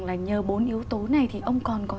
là nhờ bốn yếu tố này thì ông còn có